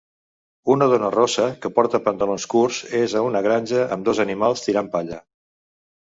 Una dona rossa que porta pantalons curts és a una granja amb dos animals, tirant palla.